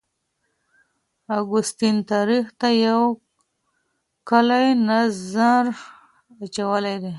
اګوستین تاریخ ته یو کلی نظر اچولی دی.